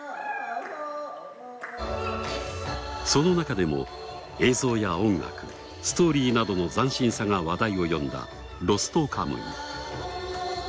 その中でも映像や音楽ストーリーなどの斬新さが話題を呼んだ『ロストカムイ』。